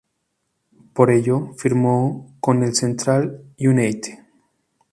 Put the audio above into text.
Por ello, firmó con el Central United.